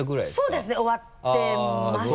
そうですね終わってますね